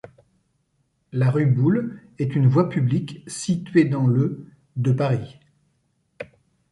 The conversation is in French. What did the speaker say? La rue Boulle est une voie publique située dans le de Paris.